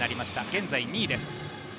現在２位です。